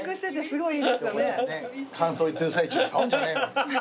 感想言ってる最中に「触んじゃねえよ」